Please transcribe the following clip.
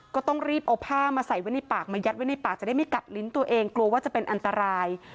ก็ต้องรีบเอาผ้ามาใส่ไว้ในปากมายัดไว้ในปากจะได้ไม่กัดลิ้นตัวเองกลัวว่าจะเป็นอันตราย